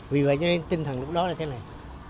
vì vậy cho nên tinh thần lúc đó là thế này